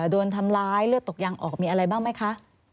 โดนทำร้ายเลือดตกยังออกมีอะไรบ้างไหมคะ